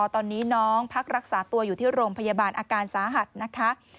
ตอนนี้น้องพักรักษาตัวอยู่ที่โรงพยาบาลอาการสาหัสนะคะ